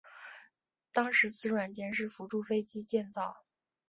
当时此软件是辅助飞机建造。